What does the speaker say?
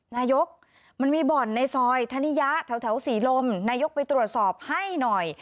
นายกมันมีบ่อนในซอยธนิยะแถวศรีลมนายกไปตรวจสอบให้หน่อย